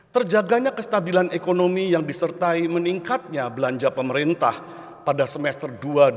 terjaganya kestabilan ekonomi yang disertai meningkatnya belanja pemerintah pada semester dua ribu dua puluh